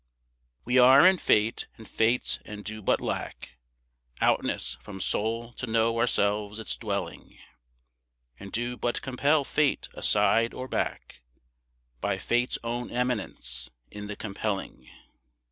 We are in Fate and Fate's and do but lack Outness from soul to know ourselves its dwelling, And do but compel Fate aside or back By Fate's own immanence in the compelling.